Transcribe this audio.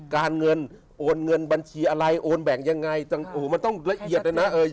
การเงินโอนเงินบัญชีอะไรโอนแบ่งยังไงจังโอ้โหมันต้องละเอียดเลยนะ